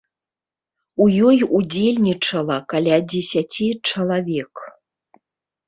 У ёй удзельнічала каля дзесяці чалавек.